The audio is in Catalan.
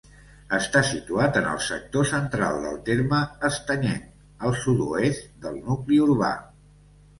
Està situat en el sector central del terme estanyenc, al sud-oest del nucli urbà.